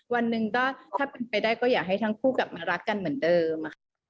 วันหนึ่งก็ถ้าเป็นไปได้ก็อยากให้ทั้งคู่กลับมารักกันเหมือนเดิมค่ะ